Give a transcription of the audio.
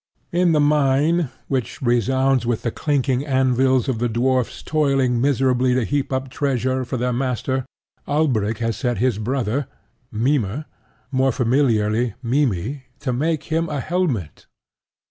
In the mine, which resounds with the clinking anvils of the dwarfs toiling miserably to heap up treasure for their master, Alberic has set his brother Mime more familiarly, Mimmy to make him a helmet.